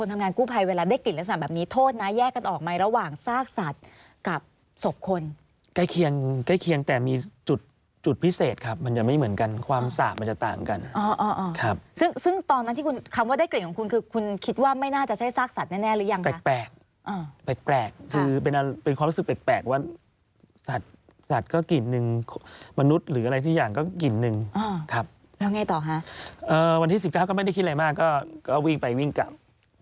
แล้วได้กลิ่นสาปแบบนี้โทษนะแยกกันออกมาระหว่างซากสัตว์กับศพคนใกล้เคียงใกล้เคียงแต่มีจุดจุดพิเศษครับมันจะไม่เหมือนกันความสาปมันจะต่างกันอ๋ออออครับซึ่งซึ่งตอนนั้นที่คุณคำว่าได้กลิ่นของคุณคือคุณคิดว่าไม่น่าจะใช้ซากสัตว์แน่แน่หรือยังฮะแปลกแปลกอ๋อแปลกแ